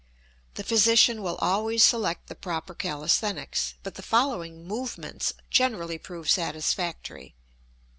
The physician will always select the proper calisthenics, but the following "movements" generally prove satisfactory.